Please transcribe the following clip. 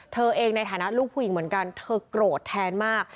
เธอเองในฐานะลูกผู้หญิงเหมือนกันเธอโกรธแทนมาก